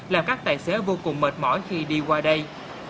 làm các tài xế vô cùng mệt mỏi khi đi qua đây